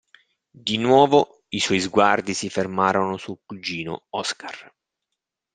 Di nuovo i suoi sguardi si fermarono sul cugino Oscar.